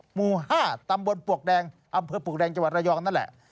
หมู่๕ตำบลปวกแดงอำเภอปลวกแดงจังหวัดระยองนั่นแหละ